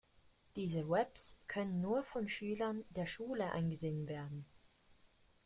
Diese Webs können nur von Schülern der Schule eingesehen werden.